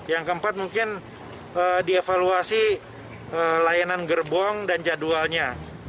yang keempat mungkin dievaluasi layanan gerbong dan jadwalnya